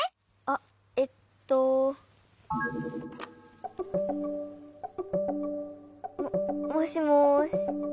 あっえっと。ももしもし。